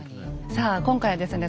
さあ今回はですね